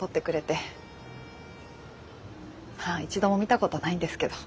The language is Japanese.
まあ一度も見たことないんですけど。